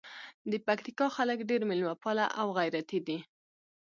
د پکتیکا خلګ ډېر میلمه پاله او غیرتي دي.